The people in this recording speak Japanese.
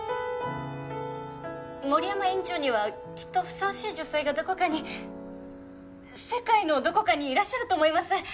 森山院長にはきっとふさわしい女性がどこかに世界のどこかにいらっしゃると思います。